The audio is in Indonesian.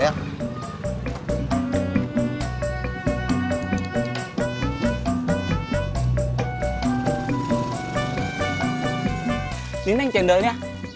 ini neng cendalnya